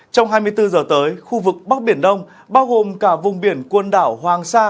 trong hai mươi bốn h tới khu vực bắc biển đông